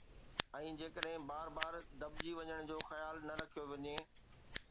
۽ جيڪڏهن بار بار دٻجي وڃڻ جو خيال نه رکيو وڃي